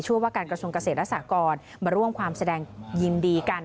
ช่วงว่าการกระทรวงเกษตรรัศกรมาร่วมความแสดงยิ่มดีกัน